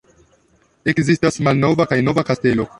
Ekzistas Malnova kaj Nova kastelo.